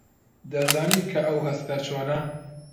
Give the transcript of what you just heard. دەزانیت کە ئەو هەستە چۆنە؟